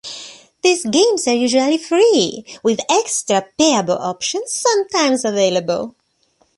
These games are usually free, with extra, payable options sometimes available.